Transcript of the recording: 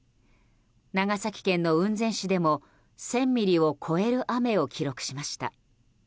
長崎県の雲仙市でも１０００ミリを超える雨を記録しました。